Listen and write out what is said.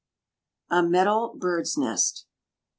A METAL BIRD'S NEST.